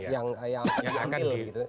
yang yang yang diambil gitu